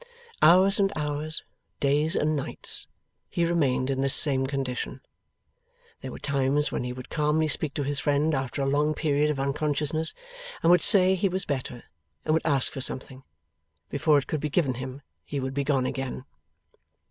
Hours and hours, days and nights, he remained in this same condition. There were times when he would calmly speak to his friend after a long period of unconsciousness, and would say he was better, and would ask for something. Before it could be given him, he would be gone again.